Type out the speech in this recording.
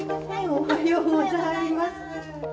おはようございます。